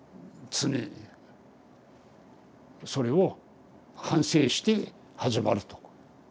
それを反省して始まると。